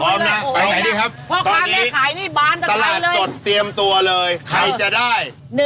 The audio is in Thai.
พร้อมนะครับพร้อมนะไปไหนดีครับตอนนี้ตลาดตดเตรียมตัวเลยใครจะได้